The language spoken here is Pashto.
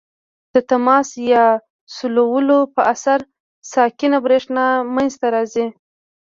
د تماس یا سولولو په اثر ساکنه برېښنا منځ ته راځي.